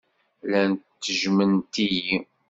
Llant ttejjment-iyi.